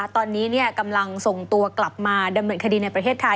ตอนนี้กำลังส่งตัวกลับมาดำเนินคดีในประเทศไทย